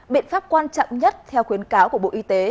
biện pháp quan trọng nhất theo khuyến cáo của bộ y tế